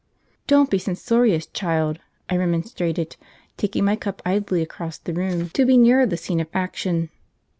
"Don't be censorious, child," I remonstrated, taking my cup idly across the room, to be nearer the scene of action.